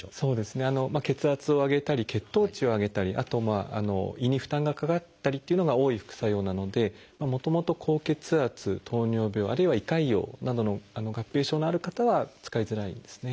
血圧を上げたり血糖値を上げたりあと胃に負担がかかったりっていうのが多い副作用なのでもともと高血圧糖尿病あるいは胃潰瘍などの合併症のある方は使いづらいですね。